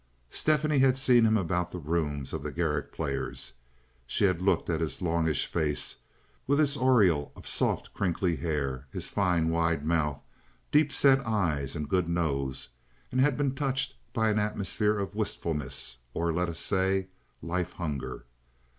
Stephanie had seen him about the rooms of the Garrick Players. She had looked at his longish face with its aureole of soft, crinkly hair, his fine wide mouth, deep set eyes, and good nose, and had been touched by an atmosphere of wistfulness, or, let us say, life hunger.